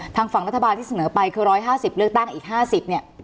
ทางฝั่งรัฐบาลที่เสนอไปคือร้อยห้าสิบเลือกตั้งอีกห้าสิบเนี่ย